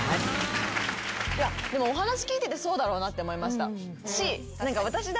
でもお話聞いててそうだろうなって思いました。